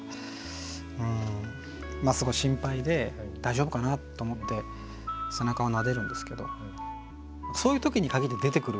すごい心配で大丈夫かな？と思って背中を撫でるんですけどそういう時に限って出てくるもの